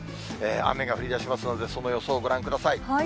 雨が降りだしますので、その予想をご覧ください。